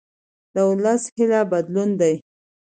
د ولس هیله بدلون دی